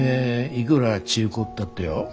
いくら中古ったってよ